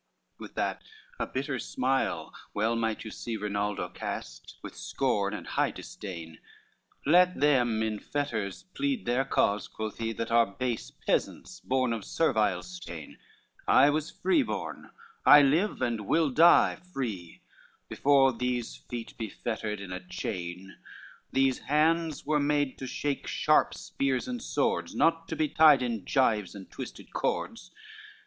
XLII With that a bitter smile well might you see Rinaldo cast, with scorn and high disdain, "Let them in fetters plead their cause," quoth he, "That are base peasants, born of servile stain, I was free born, I live and will die free Before these feet be fettered in a chain: These hands were made to shake sharp spears and swords, Not to be tied in gyves and twisted cords.